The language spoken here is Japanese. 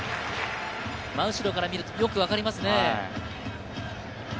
真後ろから見ると、よく分かりますね。